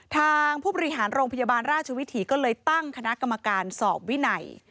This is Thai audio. ทางผู้บริหารโรงพยาบาลราชวิถีก็เลยตั้งคณะกรรมการสอบวินัย